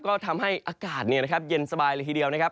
ก็ทำให้อากาศเย็นสบายเลยทีเดียวนะครับ